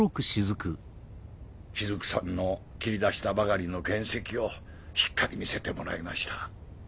雫さんの切り出したばかりの原石をしっかり見せてもらいました。